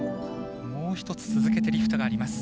もう一つ続けてリフトがあります。